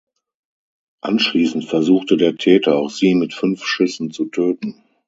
Anschließend versuchte der Täter auch sie mit fünf Schüssen zu töten.